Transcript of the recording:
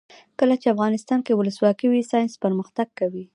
کله چې افغانستان کې ولسواکي وي ساینس پرمختګ کوي.